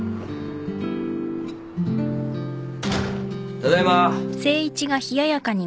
・ただいま。